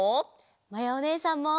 まやおねえさんも！